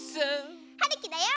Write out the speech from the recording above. はるきだよ！